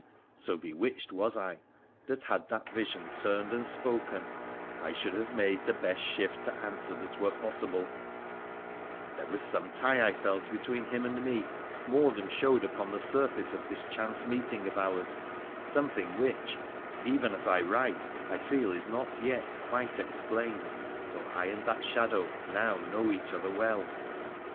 So bewitched was I that had that vision turned and spoken I should have made PIIRA THE P1KENICIAN 281 the best shift to answer that were possible ; there was some tie, I felt, between him and me more than showed upon the surface of this chance meeting of ours — something which even as I write I feel is not yet quite explained, though I and that shadow now know each other well.